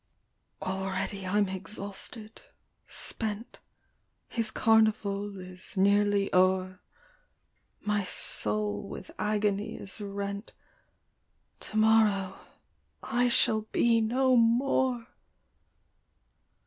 " Already I'm exhausted, spent ; His carnival is nearly o'er, My soul with agony is rent, To morrow I shall be no more!